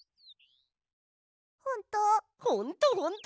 ほんと？